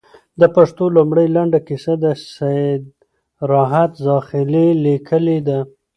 د پښتو لومړۍ لنډه کيسه، سيدراحت زاخيلي ليکلې ده